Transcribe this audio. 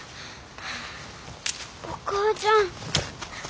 お母ちゃん。